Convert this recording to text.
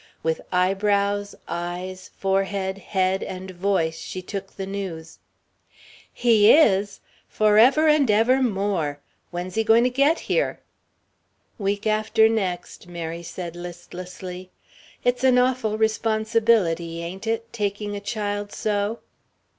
With eyebrows, eyes, forehead, head, and voice she took the news. "He is! Forever and ever more. When's he going to get here?" "Week after next," Mary said listlessly. "It's an awful responsibility, ain't it taking a child so?"